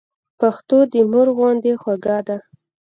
پښتو د مور غوندي خوږه ده.